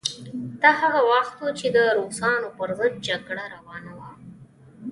دا هغه وخت و چې د روسانو پر ضد جګړه روانه وه.